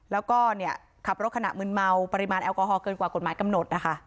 แล้วก็ขับรถขณะมืนเมาปริมาณแอลกอฮอลเกินกว่ากฎหมายกำหนดนะคะ